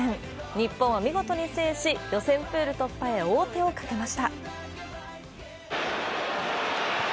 日本は見事に制し、予選プール突破へ王手をかけました。